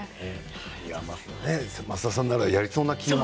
増田さんならやりそうな気が。